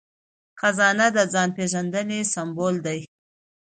خزانه د ځان پیژندنې سمبول دی.